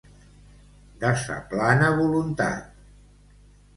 De sa plana voluntat.